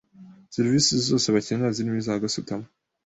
serivisi zose bakenera zirimo iza gasutamo,